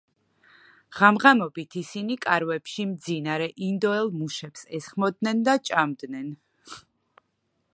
ღამ-ღამობით ისინი კარვებში მძინარე ინდოელ მუშებს ესხმოდნენ და ჭამდნენ.